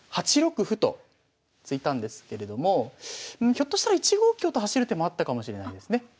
８六歩と突いたんですけれどもひょっとしたら１五香と走る手もあったかもしれないですね。